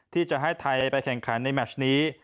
ที่จะให้ไทยไปแข่งขันในแมชนี้